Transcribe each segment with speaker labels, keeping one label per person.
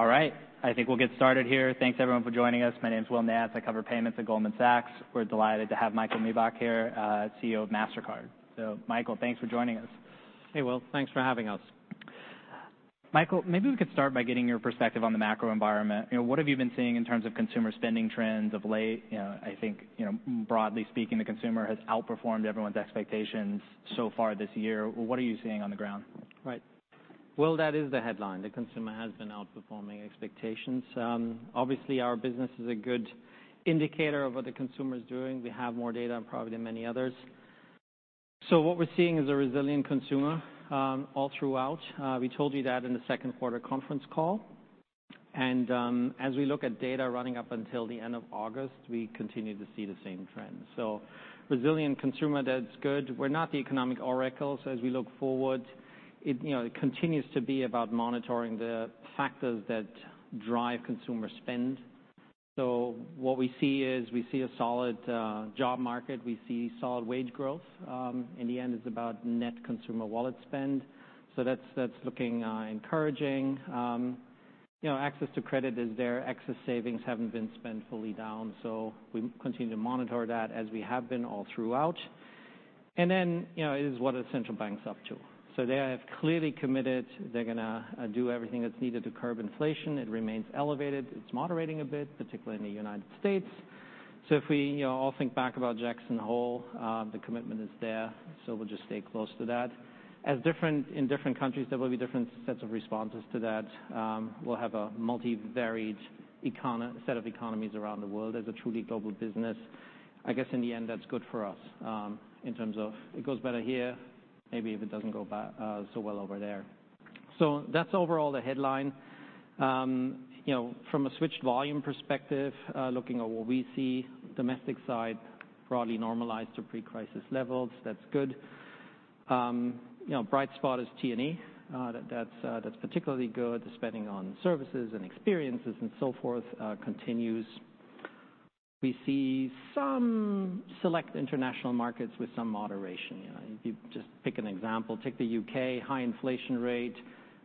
Speaker 1: All right, I think we'll get started here. Thanks, everyone, for joining us. My name's Will Nance. I cover payments at Goldman Sachs. We're delighted to have Michael Miebach here, CEO of Mastercard. So Michael, thanks for joining us.
Speaker 2: Hey, Will. Thanks for having us.
Speaker 1: Michael, maybe we could start by getting your perspective on the macro environment. You know, what have you been seeing in terms of consumer spending trends of late? You know, I think, you know, broadly speaking, the consumer has outperformed everyone's expectations so far this year. What are you seeing on the ground?
Speaker 2: Right. Well, that is the headline. The consumer has been outperforming expectations. Obviously, our business is a good indicator of what the consumer's doing. We have more data probably than many others. So what we're seeing is a resilient consumer, all throughout. We told you that in the second quarter conference call, and, as we look at data running up until the end of August, we continue to see the same trend. So resilient consumer, that's good. We're not the economic oracles, as we look forward, it, you know, it continues to be about monitoring the factors that drive consumer spend. So what we see is, we see a solid, job market. We see solid wage growth. In the end, it's about net consumer wallet spend, so that's, that's looking, encouraging. You know, access to credit is there. Excess savings haven't been spent fully down, so we continue to monitor that as we have been all throughout. Then, you know, it is what are central banks up to? So they have clearly committed, they're gonna do everything that's needed to curb inflation. It remains elevated. It's moderating a bit, particularly in the United States. So if we, you know, all think back about Jackson Hole, the commitment is there, so we'll just stay close to that. In different countries, there will be different sets of responses to that. We'll have a multi-varied economic set of economies around the world as a truly global business. I guess in the end, that's good for us, in terms of it goes better here, maybe if it doesn't go so well over there. So that's overall the headline. You know, from a switched volume perspective, looking at what we see, domestic side broadly normalized to pre-crisis levels. That's good. You know, bright spot is T&E. That's particularly good. The spending on services and experiences and so forth, continues. We see some select international markets with some moderation. You know, if you just pick an example, take the UK, high inflation rate,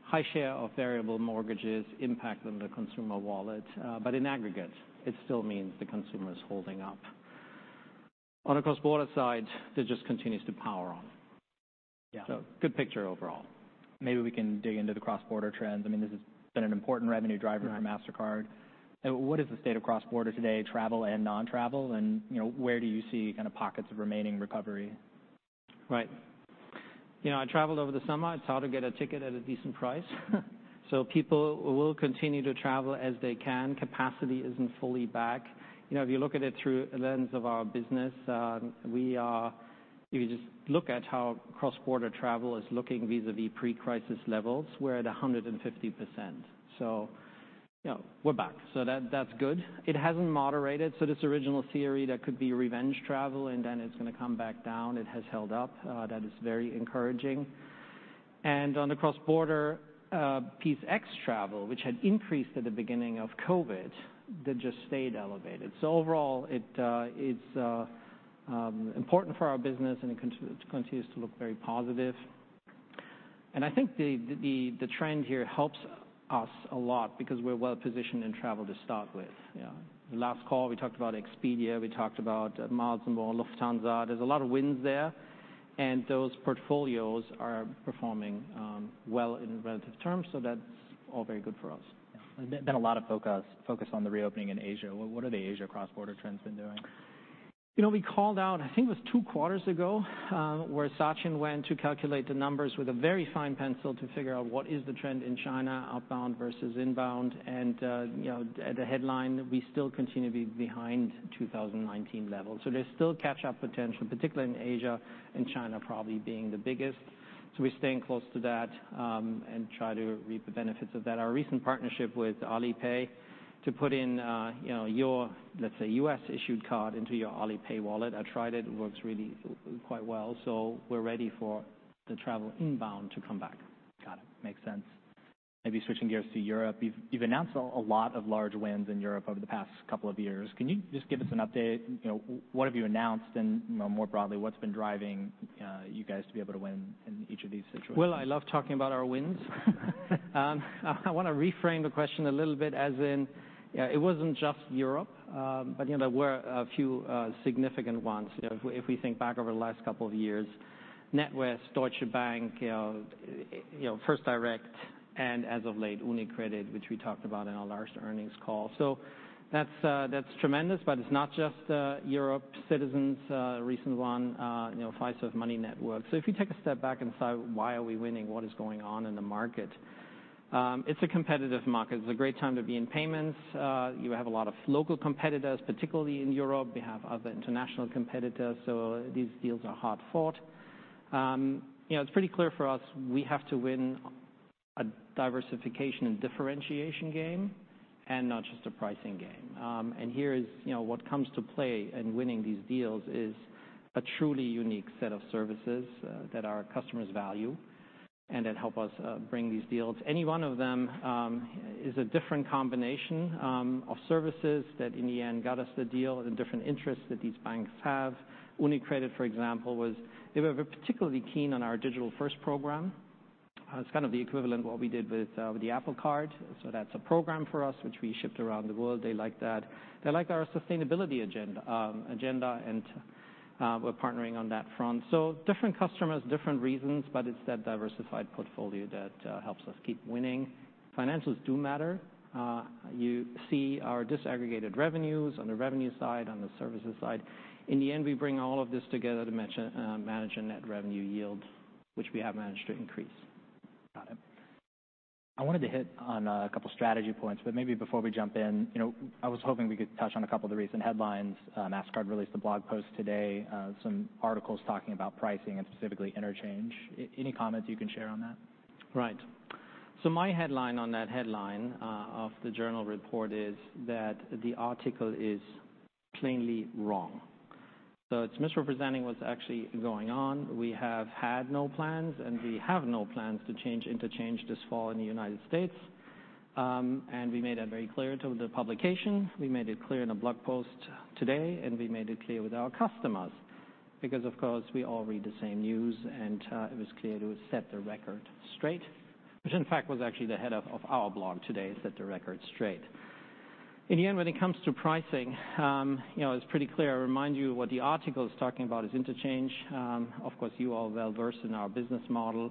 Speaker 2: high share of variable mortgages impact on the consumer wallet, but in aggregate, it still means the consumer is holding up. On a cross-border side, it just continues to power on.
Speaker 1: Yeah.
Speaker 2: Good picture overall.
Speaker 1: Maybe we can dig into the cross-border trends. I mean, this has been an important revenue driver-
Speaker 2: Right.
Speaker 1: For Mastercard. What is the state of cross-border today, travel and non-travel? And, you know, where do you see kinda pockets of remaining recovery?
Speaker 2: Right. You know, I traveled over the summer. It's hard to get a ticket at a decent price. So people will continue to travel as they can. Capacity isn't fully back. You know, if you look at it through a lens of our business, we are—if you just look at how cross-border travel is looking vis-à-vis pre-crisis levels, we're at 150%. So you know, we're back. So that, that's good. It hasn't moderated, so this original theory that could be revenge travel, and then it's gonna come back down, it has held up. That is very encouraging. And on the cross-border ex-travel piece, which had increased at the beginning of COVID, that just stayed elevated. So overall, it's important for our business, and it continues to look very positive. I think the trend here helps us a lot because we're well-positioned in travel to start with. Yeah. Last call, we talked about Expedia. We talked about Miles & More, Lufthansa. There's a lot of wins there, and those portfolios are performing well in relative terms, so that's all very good for us.
Speaker 1: Yeah. There've been a lot of focus on the reopening in Asia. What are the Asia cross-border trends been doing?
Speaker 2: You know, we called out, I think it was two quarters ago, where Sachin went to calculate the numbers with a very fine pencil to figure out what is the trend in China, outbound versus inbound. You know, the headline, we still continue to be behind 2019 levels. So there's still catch-up potential, particularly in Asia and China probably being the biggest. So we're staying close to that, and try to reap the benefits of that. Our recent partnership with Alipay to put in, you know, your, let's say, U.S.-issued card into your Alipay wallet. I tried it. It works really quite well, so we're ready for the travel inbound to come back.
Speaker 1: Got it. Makes sense. Maybe switching gears to Europe. You've announced a lot of large wins in Europe over the past couple of years. Can you just give us an update? You know, what have you announced and, you know, more broadly, what's been driving you guys to be able to win in each of these situations?
Speaker 2: Well, I love talking about our wins. I wanna reframe the question a little bit, as in, it wasn't just Europe, but, you know, there were a few significant ones. You know, if we think back over the last couple of years, NatWest, Deutsche Bank, you know, First Direct, and as of late, UniCredit, which we talked about in our last earnings call. So that's tremendous, but it's not just Europe. Citizens, a recent one, you know, Fiserv Money Network. So if you take a step back and say, "Why are we winning? What is going on in the market?" It's a competitive market. It's a great time to be in payments. You have a lot of local competitors, particularly in Europe. We have other international competitors, so these deals are hard-fought. You know, it's pretty clear for us, we have to win a diversification and differentiation game and not just a pricing game. And here is, you know, what comes to play in winning these deals is a truly unique set of services that our customers value and that help us bring these deals. Any one of them is a different combination of services that, in the end, got us the deal and different interests that these banks have. UniCredit, for example, they were particularly keen on our digital-first program. It's kind of the equivalent what we did with the Apple Card. So that's a program for us which we shipped around the world. They like that. They like our sustainability agenda, and we're partnering on that front. So different customers, different reasons, but it's that diversified portfolio that helps us keep winning. Financials do matter. You see our disaggregated revenues on the revenue side, on the services side. In the end, we bring all of this together to manage a net revenue yield, which we have managed to increase.
Speaker 1: Got it. I wanted to hit on a couple strategy points, but maybe before we jump in, you know, I was hoping we could touch on a couple of the recent headlines. Mastercard released a blog post today, some articles talking about pricing and specifically interchange. Any comments you can share on that?
Speaker 2: Right. So my headline on that headline of the journal report is that the article is plainly wrong. So it's misrepresenting what's actually going on. We have had no plans, and we have no plans to change interchange this fall in the United States, and we made that very clear to the publication. We made it clear in a blog post today, and we made it clear with our customers because, of course, we all read the same news, and it was clear to set the record straight, which, in fact, was actually the head of our blog today, "Set the Record Straight." In the end, when it comes to pricing, you know, it's pretty clear. I remind you what the article is talking about is interchange. Of course, you are well-versed in our business model.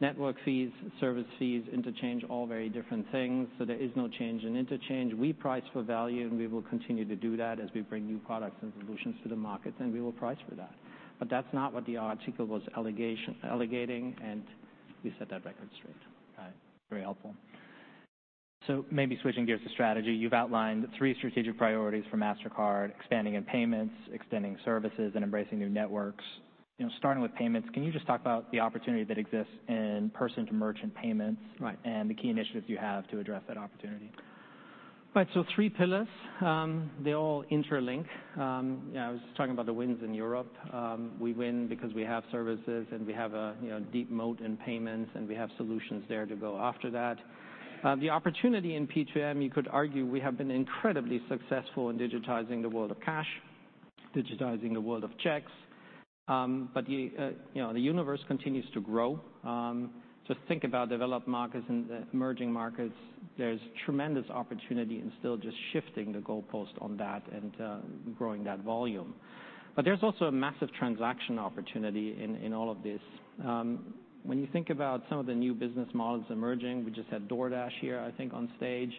Speaker 2: Network fees, service fees, interchange, all very different things, so there is no change in interchange. We price for value, and we will continue to do that as we bring new products and solutions to the market, and we will price for that. But that's not what the article was alleging, and we set that record straight.
Speaker 1: Right. Very helpful. So maybe switching gears to strategy. You've outlined three strategic priorities for Mastercard: expanding in payments, extending services, and embracing new networks. You know, starting with payments, can you just talk about the opportunity that exists in person-to-merchant payments-
Speaker 2: Right.
Speaker 1: and the key initiatives you have to address that opportunity?
Speaker 2: Right, so three pillars, they all interlink. Yeah, I was just talking about the wins in Europe. We win because we have services, and we have a, you know, deep moat in payments, and we have solutions there to go after that. The opportunity in P2M, you could argue we have been incredibly successful in digitizing the world of cash, digitizing the world of checks. But the, you know, the universe continues to grow. Just think about developed markets and the emerging markets. There's tremendous opportunity and still just shifting the goalpost on that and, growing that volume. But there's also a massive transaction opportunity in all of this. When you think about some of the new business models emerging, we just had DoorDash here, I think, on stage.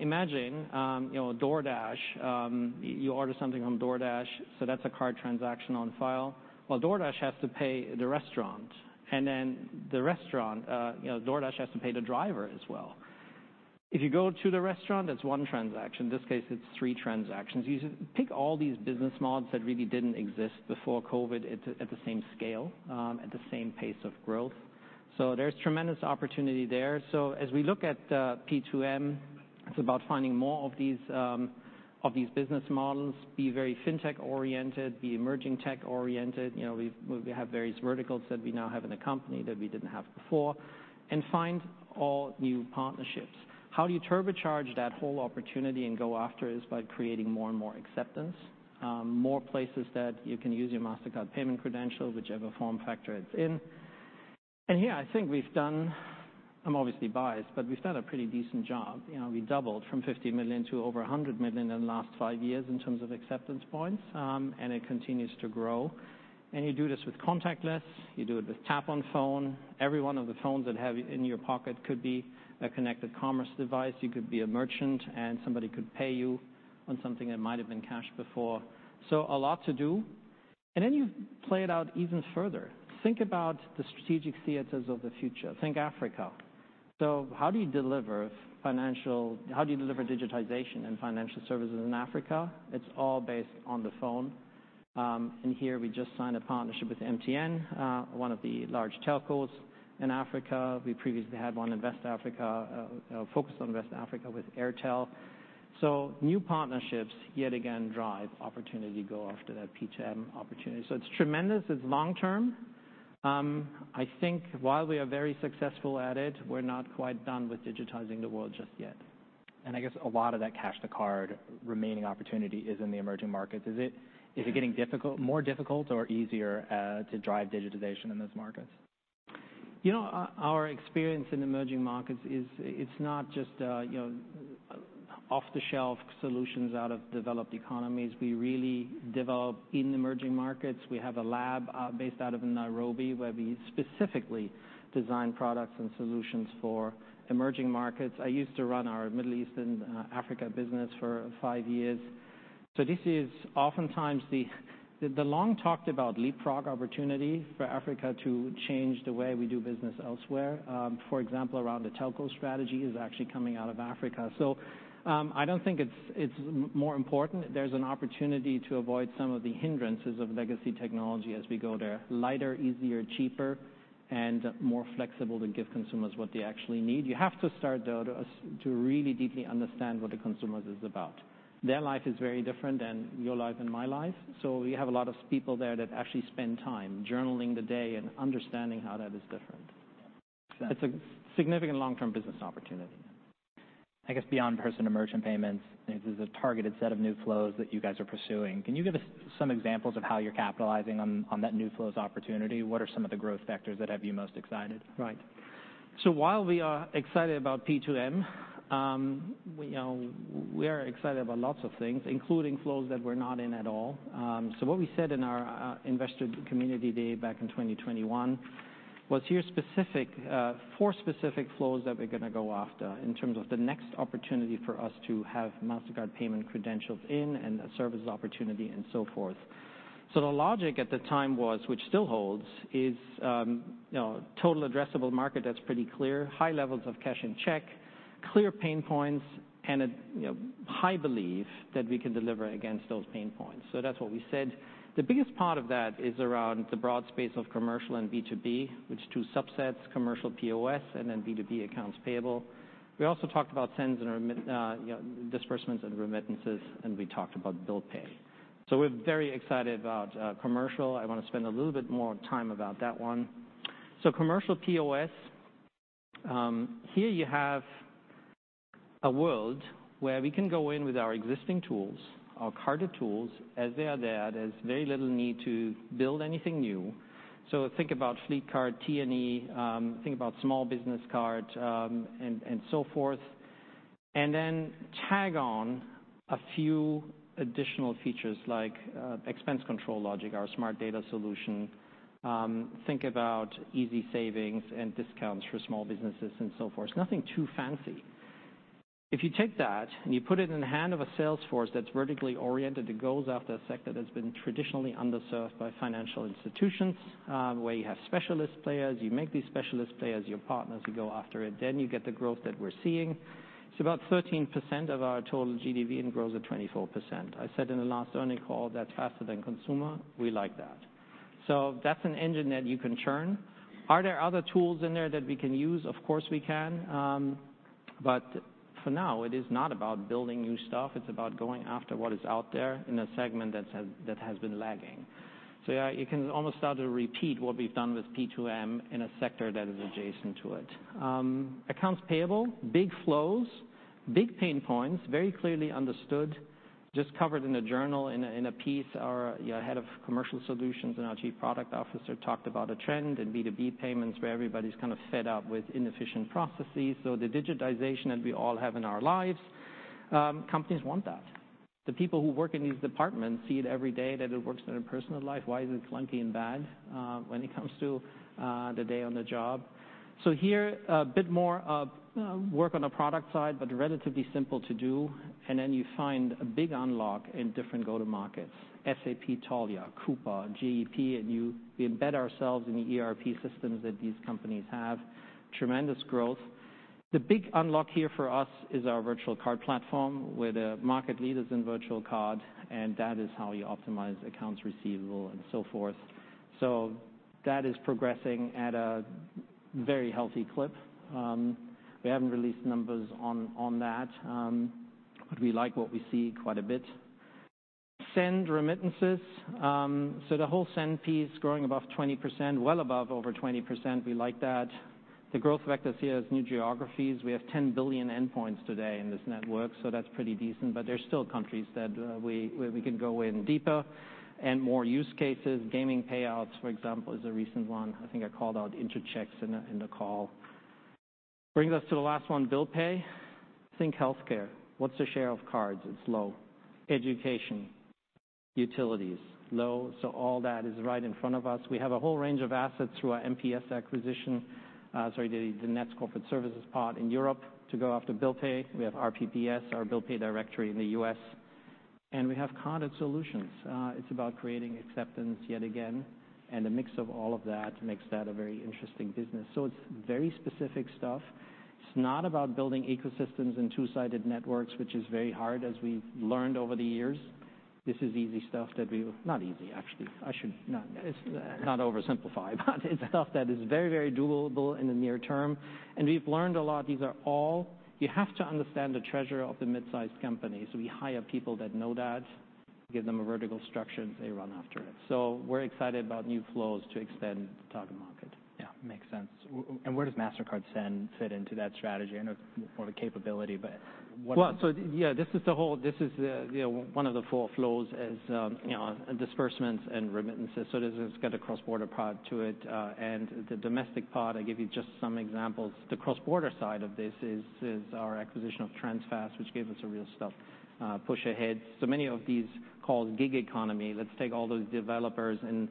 Speaker 2: Imagine, you know, DoorDash, you order something from DoorDash, so that's a card transaction on file. Well, DoorDash has to pay the restaurant, and then the restaurant, you know, DoorDash has to pay the driver as well. If you go to the restaurant, that's one transaction. In this case, it's three transactions. You take all these business models that really didn't exist before COVID at the same scale, at the same pace of growth. So there's tremendous opportunity there. So as we look at P2M, it's about finding more of these of these business models, be very fintech oriented, be emerging tech oriented. You know, we have various verticals that we now have in the company that we didn't have before, and find all new partnerships. How do you turbocharge that whole opportunity and go after it, is by creating more and more acceptance, more places that you can use your Mastercard payment credential, whichever form factor it's in. And yeah, I think we've done... I'm obviously biased, but we've done a pretty decent job. You know, we doubled from 50 million to over 100 million in the last 5 years in terms of acceptance points, and it continues to grow. And you do this with contactless. You do it with tap-on-phone. Every one of the phones that have in your pocket could be a connected commerce device. You could be a merchant, and somebody could pay you on something that might have been cash before. So a lot to do, and then you play it out even further. Think about the strategic theaters of the future. Think Africa. So how do you deliver digitization and financial services in Africa? It's all based on the phone. And here we just signed a partnership with MTN, one of the large telcos in Africa. We previously had one in West Africa, focused on West Africa with Airtel. So new partnerships, yet again, drive opportunity to go after that P2M opportunity. So it's tremendous. It's long term. I think while we are very successful at it, we're not quite done with digitizing the world just yet.
Speaker 1: I guess a lot of that cash to card remaining opportunity is in the emerging markets. Is it, is it getting difficult, more difficult or easier, to drive digitization in those markets?
Speaker 2: You know, our experience in emerging markets is. It's not just, you know, off-the-shelf solutions out of developed economies. We really develop in emerging markets. We have a lab based out of Nairobi, where we specifically design products and solutions for emerging markets. I used to run our Middle East and Africa business for five years. So this is oftentimes the long-talked-about leapfrog opportunity for Africa to change the way we do business elsewhere. For example, around the telco strategy is actually coming out of Africa. So, I don't think it's more important. There's an opportunity to avoid some of the hindrances of legacy technology as we go there. Lighter, easier, cheaper, and more flexible to give consumers what they actually need. You have to start, though, to really deeply understand what the consumers is about. Their life is very different than your life and my life, so we have a lot of people there that actually spend time journaling the day and understanding how that is different.
Speaker 1: It's a-
Speaker 2: Significant long-term business opportunity....
Speaker 1: I guess, beyond person-to-merchant payments, this is a targeted set of new flows that you guys are pursuing. Can you give us some examples of how you're capitalizing on that new flows opportunity? What are some of the growth vectors that have you most excited?
Speaker 2: Right. So while we are excited about P2M, you know, we are excited about lots of things, including flows that we're not in at all. So what we said in our investor community day back in 2021 was here specific, four specific flows that we're gonna go after in terms of the next opportunity for us to have Mastercard payment credentials in and a services opportunity, and so forth. So the logic at the time was, which still holds, is, you know, total addressable market, that's pretty clear. High levels of cash and check, clear pain points, and a, you know, high belief that we can deliver against those pain points. So that's what we said. The biggest part of that is around the broad space of commercial and B2B, which two subsets, commercial POS and then B2B accounts payable. We also talked about sends and remittances, you know, disbursements and remittances, and we talked about bill pay. So we're very excited about commercial. I wanna spend a little bit more time about that one. So commercial POS, here you have a world where we can go in with our existing tools, our carded tools, as they are there. There's very little need to build anything new. So think about fleet card, T&E, think about small business cards, and so forth. And then tag on a few additional features like expense control logic, our smart data solution. Think about easy savings and discounts for small businesses, and so forth. Nothing too fancy. If you take that and you put it in the hand of a sales force that's vertically oriented and goes after a sector that's been traditionally underserved by financial institutions, where you have specialist players, you make these specialist players your partners, you go after it, then you get the growth that we're seeing. It's about 13% of our total GDV and grows at 24%. I said in the last earnings call, that's faster than consumer. We like that. So that's an engine that you can churn. Are there other tools in there that we can use? Of course, we can, but for now, it is not about building new stuff, it's about going after what is out there in a segment that has been lagging. So yeah, you can almost start to repeat what we've done with P2M in a sector that is adjacent to it. Accounts payable, big flows, big pain points, very clearly understood. Just covered in a journal in a piece, our Head of Commercial Solutions and our Chief Product Officer talked about a trend in B2B payments, where everybody's kind of fed up with inefficient processes. So the digitization that we all have in our lives, companies want that. The people who work in these departments see it every day, that it works in their personal life. Why is it clunky and bad when it comes to the day on the job? So here, a bit more of work on the product side, but relatively simple to do, and then you find a big unlock in different go-to-markets. SAP, Taulia, Coupa, GEP, and you- we embed ourselves in the ERP systems that these companies have. Tremendous growth. The big unlock here for us is our virtual card platform, we're the market leaders in virtual card, and that is how you optimize accounts receivable and so forth. So that is progressing at a very healthy clip. We haven't released numbers on, on that, but we like what we see quite a bit. Send remittances. So the whole send piece growing above 20%, well above over 20%. We like that. The growth vectors here is new geographies. We have 10 billion endpoints today in this network, so that's pretty decent, but there are still countries that, we, where we can go in deeper and more use cases. Gaming payouts, for example, is a recent one. I think I called out Interchecks in a, in the call. Brings us to the last one, bill pay. Think healthcare. What's the share of cards? It's low. Education, utilities, low. So all that is right in front of us. We have a whole range of assets through our MPS acquisition. Sorry, the Nets Corporate Services part in Europe, to go after bill pay. We have RPPS, our bill pay directory in the U.S., and we have carded solutions. It's about creating acceptance yet again, and a mix of all of that makes that a very interesting business. So it's very specific stuff. It's not about building ecosystems and two-sided networks, which is very hard, as we've learned over the years. This is easy stuff that we... Not easy, actually. I should not oversimplify, but it's stuff that is very, very doable in the near term, and we've learned a lot. These are all. You have to understand the treasurer of the mid-sized companies. We hire people that know that, give them a vertical structure, and they run after it. So we're excited about new flows to extend the target market.
Speaker 1: Yeah, makes sense. And where does Mastercard Send fit into that strategy? I know more the capability, but what-
Speaker 2: Well, so yeah, this is the whole, this is, you know, one of the four flows as, you know, disbursements and remittances, so this has got a cross-border part to it. The domestic part, I'll give you just some examples. The cross-border side of this is our acquisition of Transfast, which gave us a real stuff push ahead. So many of these called gig economy. Let's take all those developers in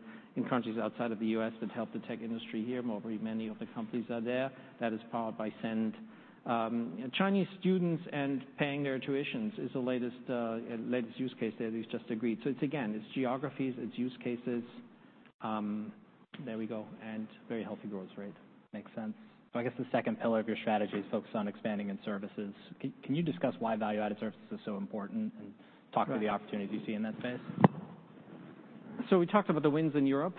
Speaker 2: countries outside of the US that help the tech industry here, where many of the companies are there. That is powered by Send. Chinese students and paying their tuitions is the latest use case that is just agreed. So it's again, it's geographies, it's use cases. There we go, and very healthy growth rate.
Speaker 1: Makes sense. So I guess the second pillar of your strategy is focused on expanding in services. Can you discuss why value-added services is so important, and-
Speaker 2: Right.
Speaker 1: Talk about the opportunities you see in that space?
Speaker 2: So we talked about the wins in Europe.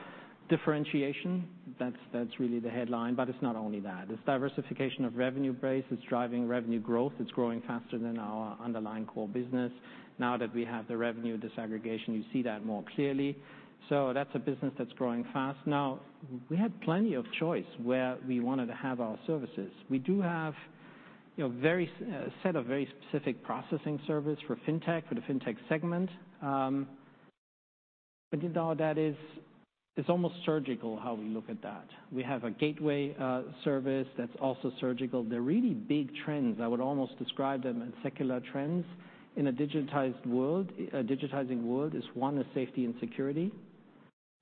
Speaker 2: Differentiation, that's, that's really the headline, but it's not only that. It's diversification of revenue base, it's driving revenue growth. It's growing faster than our underlying core business. Now that we have the revenue disaggregation, you see that more clearly. So that's a business that's growing fast. Now, we had plenty of choice where we wanted to have our services. We do have, you know, very specific set of very specific processing service for fintech, for the fintech segment. But, you know, that is, it's almost surgical how we look at that. We have a gateway service that's also surgical. They're really big trends. I would almost describe them as secular trends. In a digitized world, a digitizing world is, one, is safety and security.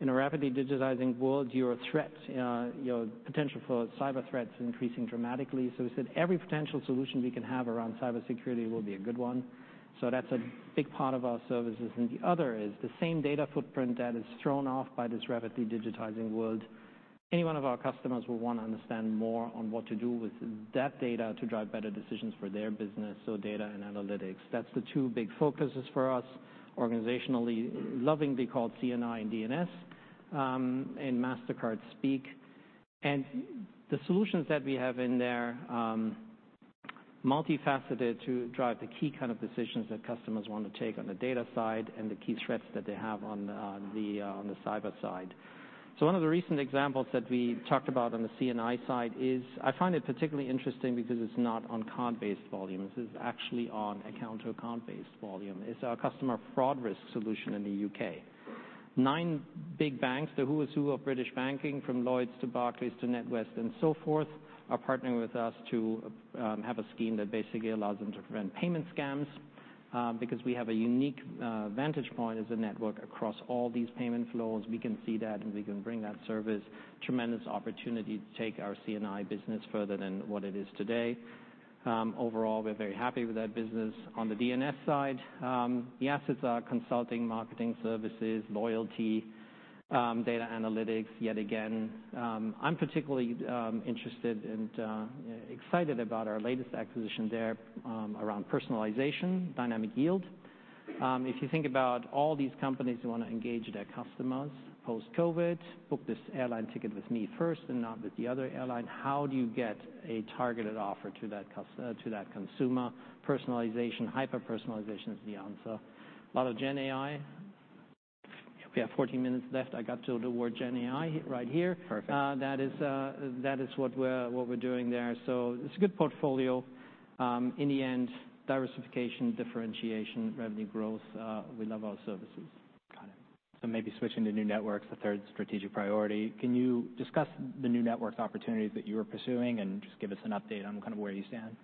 Speaker 2: In a rapidly digitizing world, your threats, your potential for cyber threats are increasing dramatically. So we said every potential solution we can have around cybersecurity will be a good one. So that's a big part of our services. And the other is the same data footprint that is thrown off by this rapidly digitizing world. Any one of our customers will want to understand more on what to do with that data to drive better decisions for their business, so data and analytics. That's the two big focuses for us organizationally, lovingly called C&I and D&S, in Mastercard speak. And the solutions that we have in there, multifaceted to drive the key kind of decisions that customers want to take on the data side and the key threats that they have on, on the, on the cyber side. So one of the recent examples that we talked about on the C&I side is. I find it particularly interesting because it's not on card-based volume. This is actually on account-to-account-based volume. It's our customer fraud risk solution in the U.K. Nine big banks, the who's who of British banking, from Lloyds to Barclays to NatWest and so forth, are partnering with us to have a scheme that basically allows them to prevent payment scams. Because we have a unique vantage point as a network across all these payment flows, we can see that, and we can bring that service. Tremendous opportunity to take our C&I business further than what it is today. Overall, we're very happy with that business. On the D&S side, the assets are consulting, marketing services, loyalty, data analytics yet again. I'm particularly interested and excited about our latest acquisition there, around personalization, Dynamic Yield. If you think about all these companies who want to engage their customers post-COVID, "Book this airline ticket with me first and not with the other airline," how do you get a targeted offer to that cust- to that consumer? Personalization, hyper-personalization is the answer. A lot of GenAI. We have 14 minutes left. I got to the word GenAI right here.
Speaker 1: Perfect.
Speaker 2: That is what we're doing there. So it's a good portfolio. In the end, diversification, differentiation, revenue growth, we love our services.
Speaker 1: Got it. So maybe switching to new networks, the third strategic priority. Can you discuss the new networks opportunities that you are pursuing, and just give us an update on kind of where you stand?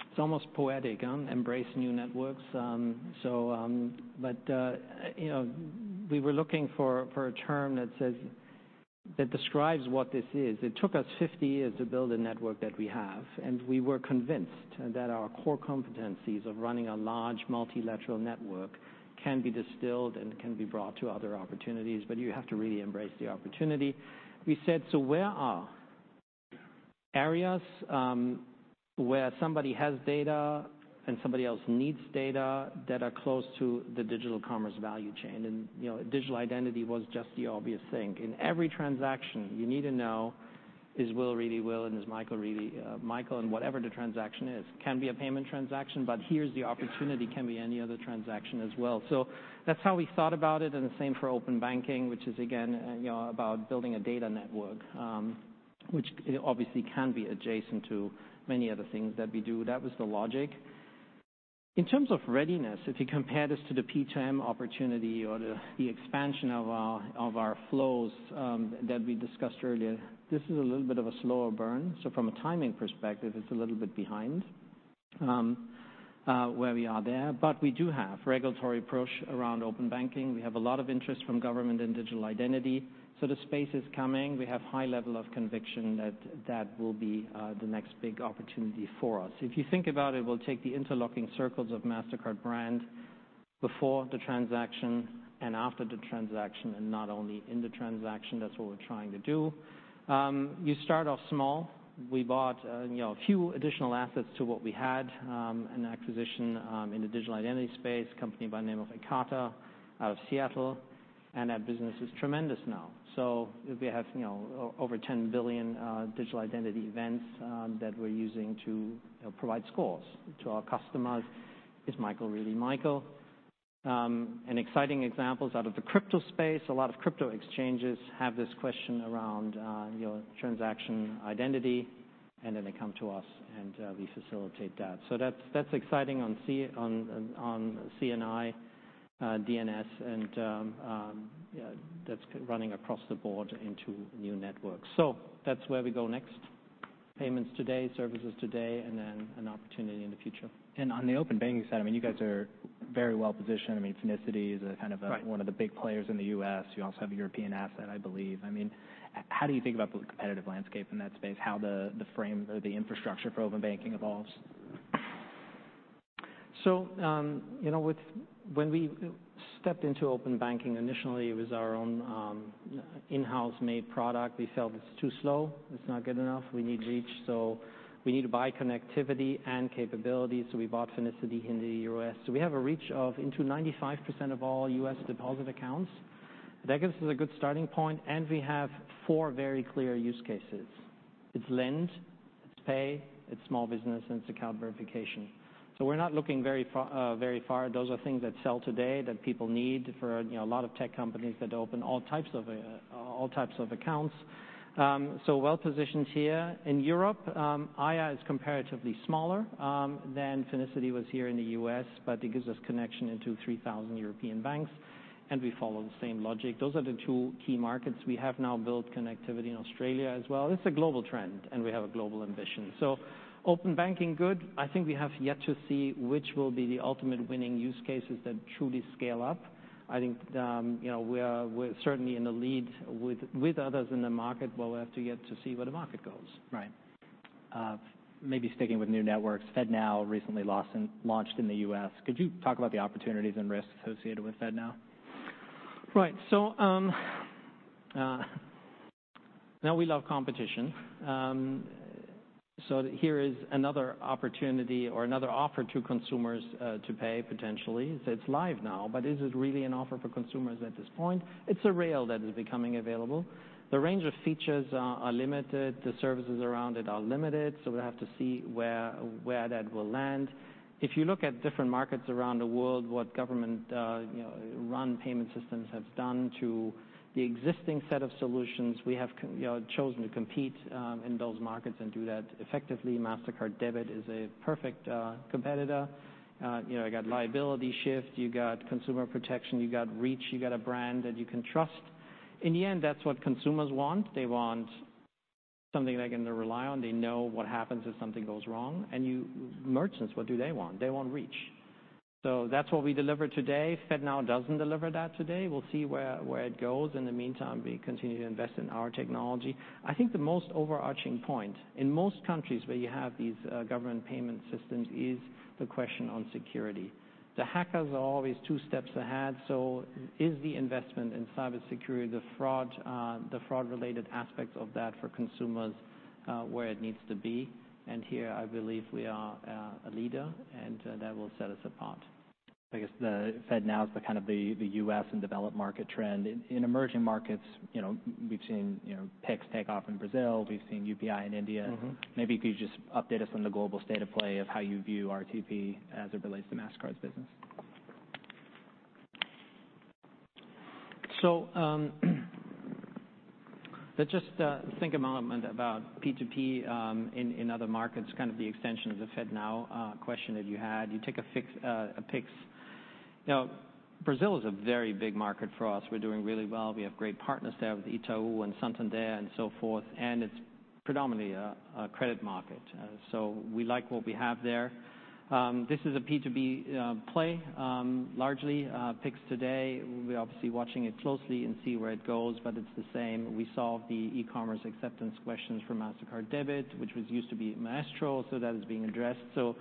Speaker 2: It's almost poetic, embrace new networks. You know, we were looking for a term that describes what this is. It took us 50 years to build a network that we have, and we were convinced that our core competencies of running a large multilateral network can be distilled and can be brought to other opportunities, but you have to really embrace the opportunity. We said, "So where are areas where somebody has data and somebody else needs data that are close to the digital commerce value chain?" You know, digital identity was just the obvious thing. In every transaction you need to know, is Will really Will, and is Michael really Michael, and whatever the transaction is. Can be a payment transaction, but here's the opportunity, can be any other transaction as well. So that's how we thought about it, and the same for Open Banking, which is, again, you know, about building a data network, which obviously can be adjacent to many other things that we do. That was the logic. In terms of readiness, if you compare this to the P2M opportunity or the expansion of our flows that we discussed earlier, this is a little bit of a slower burn. So from a timing perspective, it's a little bit behind where we are there. But we do have regulatory approach around Open Banking. We have a lot of interest from government in digital identity, so the space is coming. We have high level of conviction that that will be the next big opportunity for us. If you think about it, we'll take the interlocking circles of Mastercard brand before the transaction and after the transaction, and not only in the transaction. That's what we're trying to do. You start off small. We bought, you know, a few additional assets to what we had, an acquisition, in the digital identity space, company by the name of Ekata out of Seattle, and that business is tremendous now. So we have, you know, over 10 billion digital identity events that we're using to, you know, provide scores to our customers. Is Michael really Michael? And exciting examples out of the crypto space, a lot of crypto exchanges have this question around, you know, transaction identity, and then they come to us, and we facilitate that. So that's exciting on CNI, D&S, and yeah, that's running across the board into new networks. So that's where we go next. Payments today, services today, and then an opportunity in the future.
Speaker 1: On the open banking side, I mean, you guys are very well positioned. I mean, Finicity is a kind of a-
Speaker 2: Right.
Speaker 1: One of the big players in the US. You also have a European asset, I believe. I mean, how do you think about the competitive landscape in that space, how the frame or the infrastructure for open banking evolves?
Speaker 2: So, you know, when we stepped into open banking, initially, it was our own, in-house made product. We felt it's too slow, it's not good enough, we need reach. So we need to buy connectivity and capabilities, so we bought Finicity in the US. So we have a reach of into 95% of all US deposit accounts. That gives us a good starting point, and we have four very clear use cases. It's lend, it's pay, it's small business, and it's account verification. So we're not looking very far, very far. Those are things that sell today, that people need for, you know, a lot of tech companies that open all types of, all types of accounts. So well-positioned here. In Europe, Aiia is comparatively smaller than Finicity was here in the U.S., but it gives us connection into 3,000 European banks, and we follow the same logic. Those are the two key markets. We have now built connectivity in Australia as well. It's a global trend, and we have a global ambition. So open banking, good. I think we have yet to see which will be the ultimate winning use cases that truly scale up. I think, you know, we're certainly in the lead with others in the market, but we have yet to see where the market goes.
Speaker 1: Right. Maybe sticking with new networks, FedNow recently launched in the US. Could you talk about the opportunities and risks associated with FedNow?
Speaker 2: Right. So, now we love competition. So here is another opportunity or another offer to consumers to pay potentially. It's live now, but is it really an offer for consumers at this point? It's a rail that is becoming available. The range of features are limited. The services around it are limited, so we'll have to see where that will land. If you look at different markets around the world, what government, you know, run payment systems have done to the existing set of solutions, we have, you know, chosen to compete in those markets and do that effectively. Mastercard Debit is a perfect competitor. You know, you got liability shift, you got consumer protection, you got reach, you got a brand that you can trust. In the end, that's what consumers want. They want something they're going to rely on. They know what happens if something goes wrong. And you, merchants, what do they want? They want reach. So that's what we deliver today. FedNow doesn't deliver that today. We'll see where it goes. In the meantime, we continue to invest in our technology. I think the most overarching point, in most countries where you have these government payment systems, is the question on security. The hackers are always two steps ahead, so is the investment in cybersecurity, the fraud, the fraud-related aspects of that for consumers, where it needs to be? And here, I believe we are a leader, and that will set us apart.
Speaker 1: I guess the FedNow is the kind of the US and developed market trend. In emerging markets, you know, we've seen, you know, Pix take off in Brazil. We've seen UPI in India.
Speaker 2: Mm-hmm.
Speaker 1: Maybe if you could just update us on the global state of play of how you view RTP as it relates to Mastercard's business?
Speaker 2: So, let's just think a moment about P2P in other markets, kind of the extension of the FedNow question that you had. You take a Pix. Now, Brazil is a very big market for us. We're doing really well. We have great partners there with Itaú and Santander and so forth, and it's predominantly a credit market. So we like what we have there. This is a P2B play. Largely, Pix today, we're obviously watching it closely and see where it goes, but it's the same. We solved the e-commerce acceptance questions for Mastercard Debit, which was used to be Maestro, so that is being addressed. So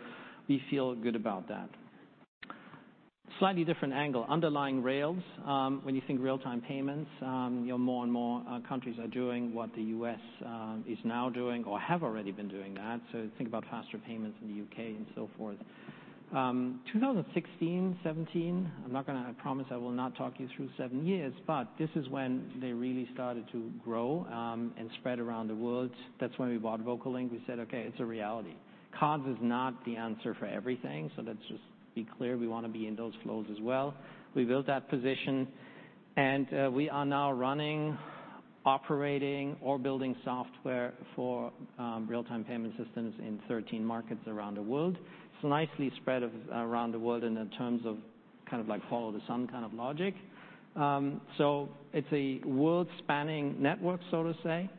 Speaker 2: we feel good about that. Slightly different angle, underlying rails, when you think real-time payments, you know, more and more, countries are doing what the U.S. is now doing or have already been doing that. So think about faster payments in the U.K. and so forth. 2016, 2017, I'm not gonna—I promise I will not talk you through seven years, but this is when they really started to grow, and spread around the world. That's when we bought VocaLink. We said, "Okay, it's a reality." Cards is not the answer for everything, so let's just be clear, we want to be in those flows as well. We built that position, and we are now running, operating, or building software for real-time payment systems in 13 markets around the world. It's nicely spread around the world and in terms of kind of like follow the sun kind of logic. So it's a world-spanning network, so to say.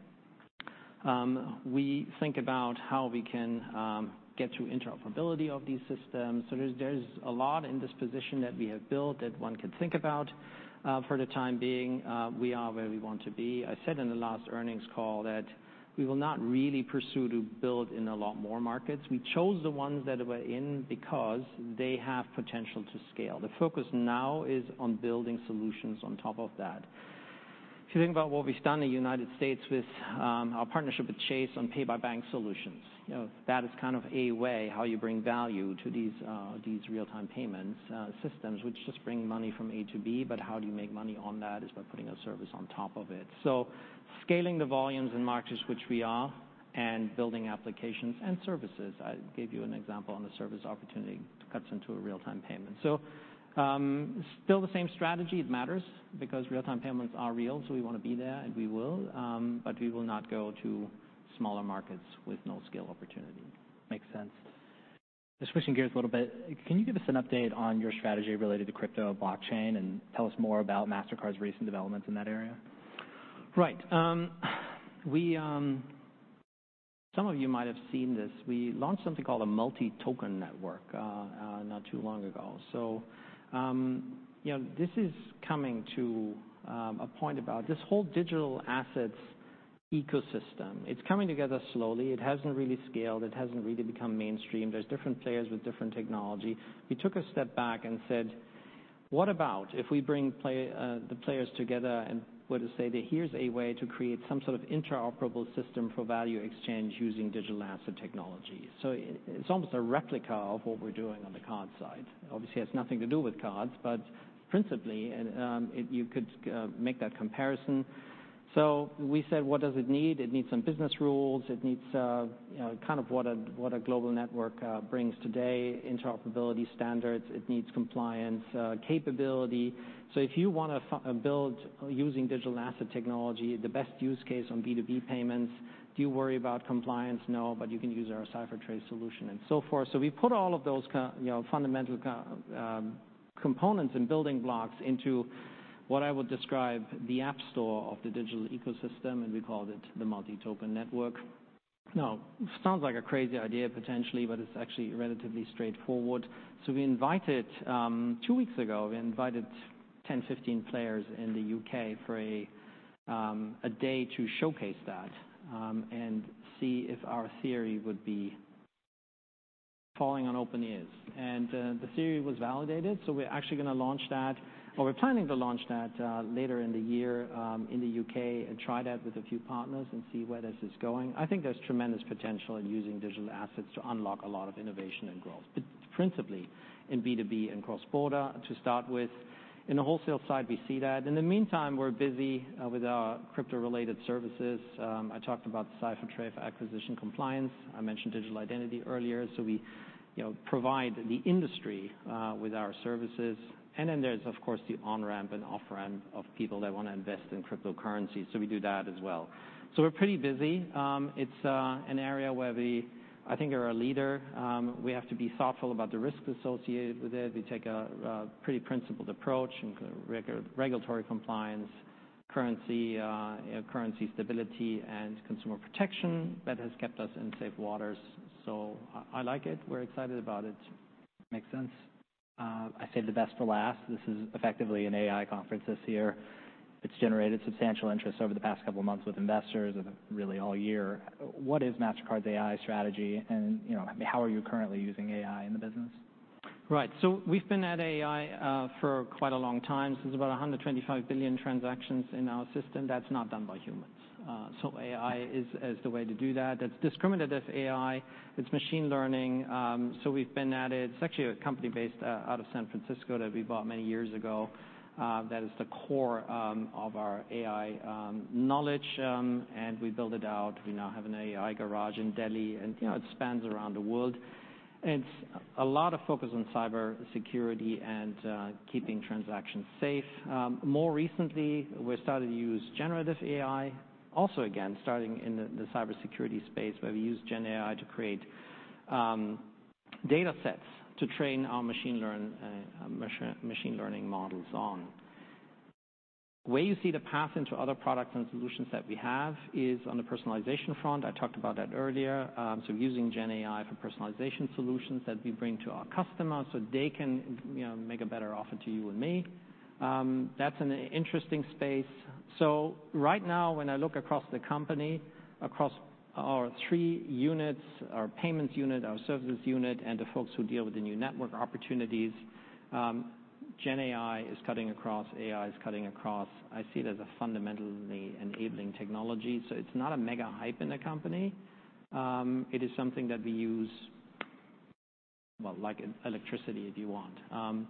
Speaker 2: We think about how we can get to interoperability of these systems. So there's, there's a lot in this position that we have built that one can think about. For the time being, we are where we want to be. I said in the last earnings call that we will not really pursue to build in a lot more markets. We chose the ones that we're in because they have potential to scale. The focus now is on building solutions on top of that. If you think about what we've done in the United States with our partnership with Chase on pay-by-bank solutions, you know, that is kind of a way how you bring value to these real-time payments systems, which just bring money from A to B, but how do you make money on that? Is by putting a service on top of it. So scaling the volumes in markets, which we are, and building applications and services. I gave you an example on the service opportunity cuts into a real-time payment. So still the same strategy. It matters because real-time payments are real, so we want to be there, and we will. But we will not go to smaller markets with no scale opportunity.
Speaker 1: Makes sense. Just switching gears a little bit, can you give us an update on your strategy related to crypto, blockchain, and tell us more about Mastercard's recent developments in that area?
Speaker 2: Right. We... Some of you might have seen this. We launched something called a Multi-Token Network not too long ago. So, you know, this is coming to a point about this whole digital assets ecosystem. It's coming together slowly. It hasn't really scaled. It hasn't really become mainstream. There's different players with different technology. We took a step back and said: What about if we bring the players together and were to say that here's a way to create some sort of interoperable system for value exchange using digital asset technology? So it's almost a replica of what we're doing on the card side. Obviously, it has nothing to do with cards, but principally, you could make that comparison. So we said, "What does it need?" It needs some business rules. It needs, you know, kind of what a, what a global network brings today, interoperability standards. It needs compliance capability. So if you want to build using digital asset technology, the best use case on B2B payments, do you worry about compliance? No, but you can use our CipherTrace solution and so forth. So we put all of those, you know, fundamental components and building blocks into what I would describe the App Store of the digital ecosystem, and we called it the Multi-Token Network. Now, it sounds like a crazy idea, potentially, but it's actually relatively straightforward. So we invited, two weeks ago, we invited 10, 15 players in the UK for a, a day to showcase that, and see if our theory would be falling on open ears. The theory was validated, so we're actually gonna launch that, or we're planning to launch that, later in the year, in the UK and try that with a few partners and see where this is going. I think there's tremendous potential in using digital assets to unlock a lot of innovation and growth, but principally in B2B and cross-border to start with. In the wholesale side, we see that. In the meantime, we're busy with our crypto-related services. I talked about CipherTrace acquisition compliance. I mentioned digital identity earlier. So we, you know, provide the industry with our services, and then there's, of course, the on-ramp and off-ramp of people that wanna invest in cryptocurrency, so we do that as well. So we're pretty busy. It's an area where I think we're a leader. We have to be thoughtful about the risks associated with it. We take a pretty principled approach in regulatory compliance, currency stability, and consumer protection. That has kept us in safe waters, so I like it. We're excited about it.
Speaker 1: Makes sense. I saved the best for last. This is effectively an AI conference this year. It's generated substantial interest over the past couple of months with investors and really all year. What is Mastercard's AI strategy, and, you know, how are you currently using AI in the business?
Speaker 2: Right. So we've been at AI for quite a long time. There's about 125 billion transactions in our system that's not done by humans. So AI is the way to do that. That's discriminated as AI. It's machine learning. So we've been at it. It's actually a company based out of San Francisco that we bought many years ago. That is the core of our AI knowledge, and we built it out. We now have an AI garage in Delhi, and, you know, it spans around the world. It's a lot of focus on cybersecurity and keeping transactions safe. More recently, we started to use generative AI, also again, starting in the cybersecurity space, where we use GenAI to create data sets to train our machine learning models on. Where you see the path into other products and solutions that we have is on the personalization front. I talked about that earlier. So using GenAI for personalization solutions that we bring to our customers, so they can, you know, make a better offer to you and me. That's an interesting space. So right now, when I look across the company, across our three units, our payments unit, our services unit, and the folks who deal with the new network opportunities, GenAI is cutting across, AI is cutting across. I see it as a fundamentally enabling technology, so it's not a mega hype in the company. It is something that we use, well, like electricity, if you want.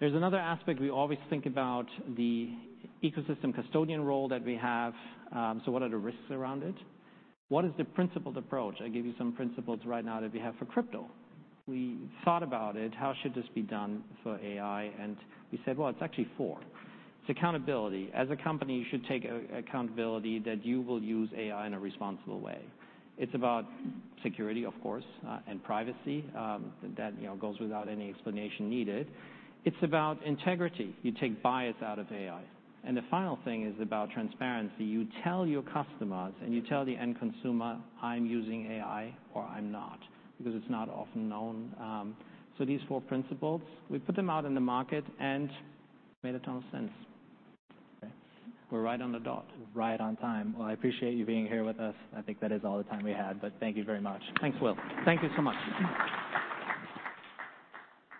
Speaker 2: There's another aspect. We always think about the ecosystem custodian role that we have. So what are the risks around it? What is the principled approach? I gave you some principles right now that we have for crypto. We thought about it, how should this be done for AI? And we said, "Well, it's actually four." It's accountability. As a company, you should take accountability that you will use AI in a responsible way. It's about security, of course, and privacy. That, you know, goes without any explanation needed. It's about integrity. You take bias out of AI. And the final thing is about transparency. You tell your customers, and you tell the end consumer, "I'm using AI," or, "I'm not," because it's not often known. So these four principles, we put them out in the market and made a ton of sense.
Speaker 1: Okay.
Speaker 2: We're right on the dot.
Speaker 1: Right on time. Well, I appreciate you being here with us. I think that is all the time we had, but thank you very much.
Speaker 2: Thanks, Will. Thank you so much.